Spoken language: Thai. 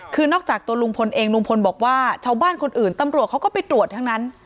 คือนอกจากตัวลุงพลเองลุงพลบอกว่าชาวบ้านคนอื่นตำรวจเขาก็ไปตรวจทั้งนั้น